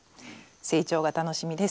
成長が楽しみです。